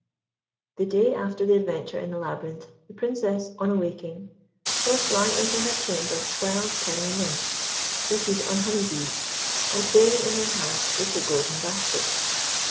The day after the adventure in the labyrinth, the Princess, on awaking, saw fly into her chamber twelve tiny nymphs, seated on honey bees, and bearing in their hands little golden baskets.